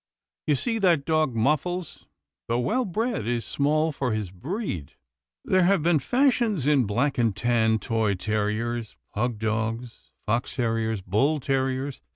You see that dog Muffles, though well bred, is small for his breed. There have been fashions in black and tan toy ter riers, pug dogs, fox terriers, bull terriers.